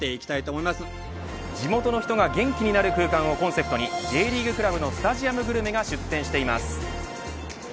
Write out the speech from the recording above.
地元の人が元気になる空間をコンセプトにＪリーグクラブのスタジアムグルメが出店しています。